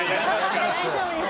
大丈夫です。